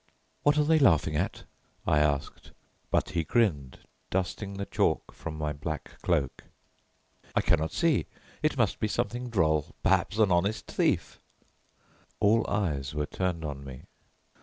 "What are they laughing at?" I asked, but he grinned, dusting the chalk from my black cloak. "I cannot see; it must be something droll, perhaps an honest thief!" All eyes were turned on me.